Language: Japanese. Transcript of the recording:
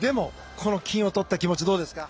金をとった気持ち、どうですか？